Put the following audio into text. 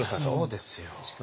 そうですよ。